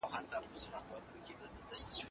پوهنتون محصلین په مهمو سیاسي چارو کي برخه نه اخلي.